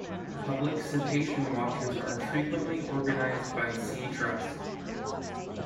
Public cetacean watches are frequently organized by Sea Trust.